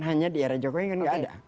hanya di era jokowi kan gak ada